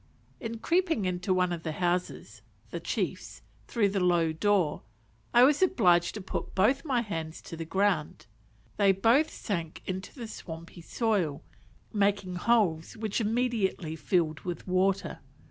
In creeping into one of the houses (the chief's) through the low door, I was obliged to put both my hands to the ground; they both sank into the swampy soil, making holes which immediately filled with water.